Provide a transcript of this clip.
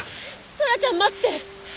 トラちゃん待って！